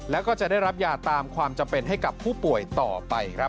แล้วก็จะได้รับยาตามความจำเป็นให้กับผู้ป่วยต่อไปครับ